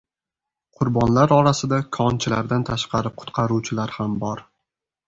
Qurbonlar orasida konchilardan tashqari qutqaruvchilar ham bor.